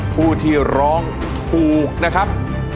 ผู้ที่ร้องถูกนะครับ